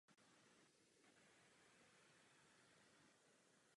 V té době byl součástí panství Dolní Lukavice.